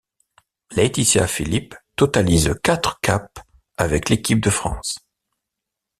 Laëtitia Philippe totalise quatre capes avec l'équipe de France.